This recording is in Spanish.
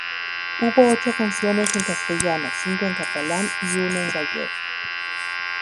Hubo ocho canciones en castellano, cinco en catalán y una en gallego.